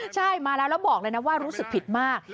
ใช่มาแล้วแล้วบอกเลยนะว่ารู้สึกผิดมาก